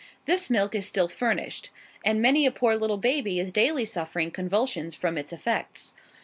This milk is still furnished; and many a poor little baby is daily suffering convulsions from its effects.